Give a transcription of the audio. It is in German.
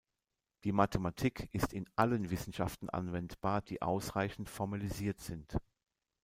Die Mathematik ist in allen Wissenschaften anwendbar, die ausreichend formalisiert sind.